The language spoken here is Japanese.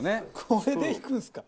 これでいくんですか？